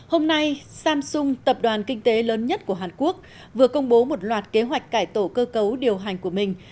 hôm nay samsung tập đoàn kinh tế lớn nhất của hàn quốc vừa công bố một loạt kế hoạch cải tổ cơ cấu điều hành của mình